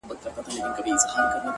زړه مي دي خاوري سي ډبره دى زړگى نـه دی’